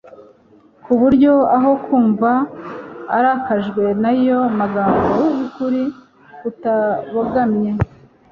ku buryo aho kumva arakajwe n’ayo magambo y’ukuri kutabogamye